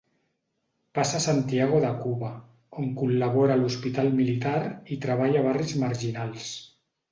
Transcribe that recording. Passa a Santiago de Cuba, on col·labora a l'hospital militar i treballa a barris marginals.